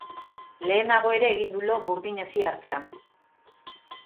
Lehenago ere egin du lo burdin hesi artean.